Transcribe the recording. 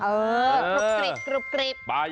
เออลูกกริบ